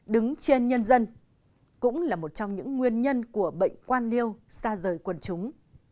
đứng trên nhân dân cũng là một trong những nguyên nhân của bệnh quan liêu xa rời quần chúng